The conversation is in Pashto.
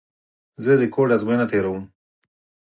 زه د کوډ ازموینه تېره ووم.